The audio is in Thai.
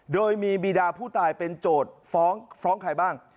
โดยมีบีดาผู้ตายเป็นโจทย์ฟ้องใครบ้าง